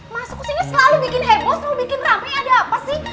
masuk ke sini selalu bikin heboh selalu bikin rame ada apa sih